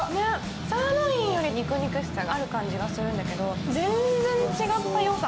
サーロインより肉々しさがある感じがするんだけど全然違ったよさ。